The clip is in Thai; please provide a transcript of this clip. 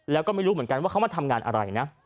แล้วก็ไม่รู้เหมือนกันว่าเขามาทำงานอะไรนะ